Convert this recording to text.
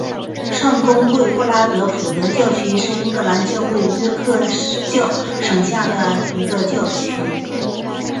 圣公会布拉德福德教区是英格兰教会约克教省下面的一个教区。